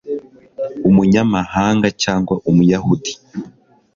Umunyamahanga cyangwa Umuyahudi